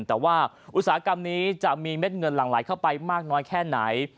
แต่ว่าอุตสาหกรรมนี้จะมีเม็ดเงินหลั่งไหลเข้าไปมากน้อยแค่ไหน